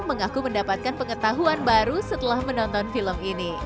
mengaku mendapatkan pengetahuan baru setelah menonton film ini